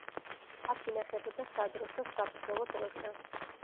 აქ ინახებოდა სადროშოს საბრძოლო დროშა.